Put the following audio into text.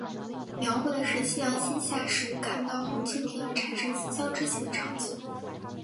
描绘的是夕阳西下时看到红蜻蜓而产生思乡之情的场景。